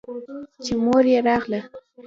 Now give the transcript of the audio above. چې مور يې راغله.